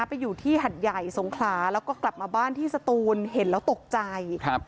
ไปอยู่ที่หัดใหญ่สงขลาแล้วก็กลับมาบ้านที่สตูนเห็นแล้วตกใจครับ